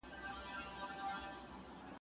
یخ یخ باد سپینو دیبا پردو کې ناڅي